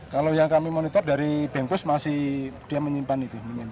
kalau yang kami monitor dari bengkus masih dia menyimpan itu